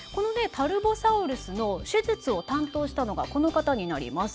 タルボサウルスの手術を担当したのがこの方になります。